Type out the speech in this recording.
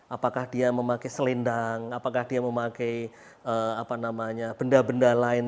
apakah dia memakai selendang apakah dia memakai benda benda lain